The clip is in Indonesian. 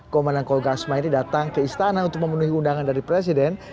komandan kogasma ini datang ke istana untuk memenuhi undangan dari presiden